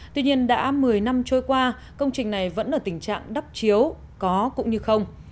tuy nhiên đã một mươi năm trôi qua công trình này vẫn ở tình trạng đắp chiếu có cũng như không